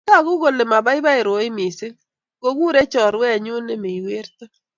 Tagu kole baibai Roy missing ngokurei chorwenyu me werto